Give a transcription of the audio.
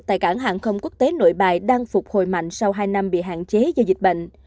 tại cảng hàng không quốc tế nội bài đang phục hồi mạnh sau hai năm bị hạn chế do dịch bệnh